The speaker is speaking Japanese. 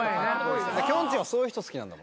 きょんちぃはそういう人好きなんだもんな？